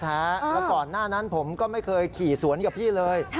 แล้วก่อนหน้านั้นผมก็ไม่เคยขี่สวนกับพี่เลย